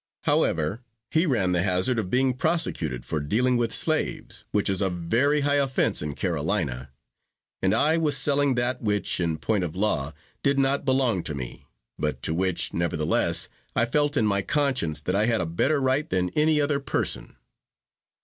However, he ran the hazard of being prosecuted for dealing with slaves, which is a very high offence in Carolina; and I was selling that which, in point of law, did not belong to me; but to which, nevertheless, I felt in my conscience that I had a better right than any other person.